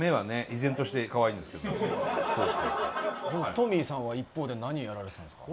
トミーさんは一方で何やられてたんですか？